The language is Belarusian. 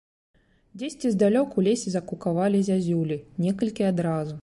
Дзесьці здалёк у лесе закукавалі зязюлі, некалькі адразу.